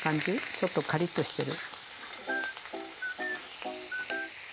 ちょっとカリッとしてる。